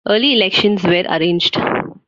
Early elections were arranged.